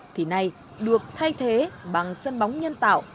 thì nay được thay thế bằng sân bóng nhân tạo